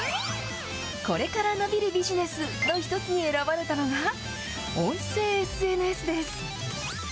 これから伸びるビジネスの１つに選ばれたのが、音声ＳＮＳです。